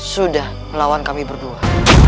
sudah melawan kami berdua